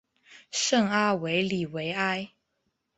圣阿维里维埃。